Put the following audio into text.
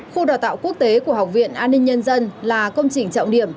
khu đào tạo quốc tế của học viện an ninh nhân dân là công trình trọng điểm